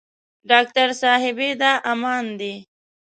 ډاکټر صاحبې دا عمان دی.